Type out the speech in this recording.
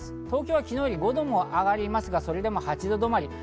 東京は昨日より５度も上がりますが、それでも８度止まり。